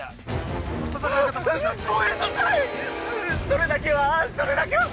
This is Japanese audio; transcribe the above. それだけは、それだけは！